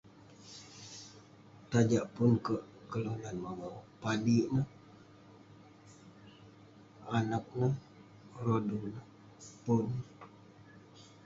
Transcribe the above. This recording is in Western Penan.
Tajak pun kek kelunan maneuk padik neh, anaq neh, rodu neh pong.